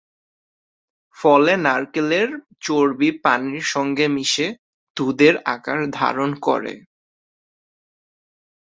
ফলে নারকেলের চর্বি পানির সংগে মিশে দুধের আকার ধারণ করে।